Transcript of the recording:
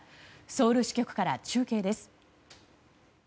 ソウル支局から中継です。